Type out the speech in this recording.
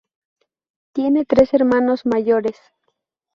Tiene tres hermanos mayores.